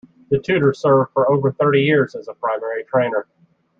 The Tutor served for over thirty years as a primary trainer.